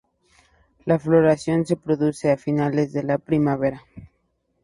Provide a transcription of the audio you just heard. La floración se produce a finales de la primavera.